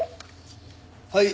はい。